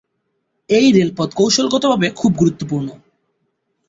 এই রেলপথ কৌশলগতভাবে খুব গুরুত্বপূর্ণ।